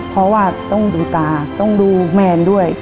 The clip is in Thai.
เพราะว่าต้องดูตาต้องดูแมนด้วย